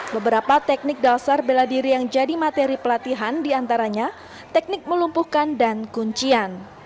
beberapa teknik dasar bela diri yang jadi materi pelatihan diantaranya teknik melumpuhkan dan kuncian